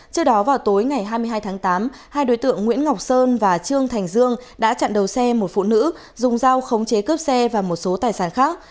trước đó vào tối ngày hai mươi hai tháng tám hai đối tượng nguyễn ngọc sơn và trương thành dương đã chặn đầu xe một phụ nữ dùng dao khống chế cướp xe và một số tài sản khác